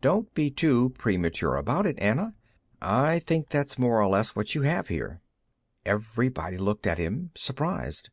"Don't be too premature about it, Anna. I think that's more or less what you have, here." Everybody looked at him, surprised.